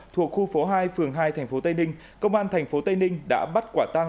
thuộc khu phố hai phường hai thành phố tây ninh công an thành phố tây ninh đã bắt quả tăng